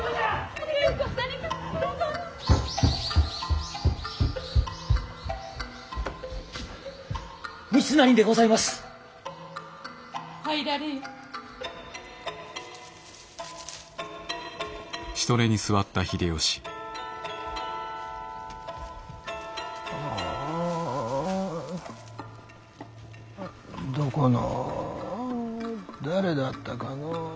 あどこの誰だったかのう。